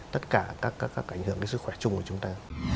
tất cả các ảnh hưởng đến sức khỏe chung của chúng ta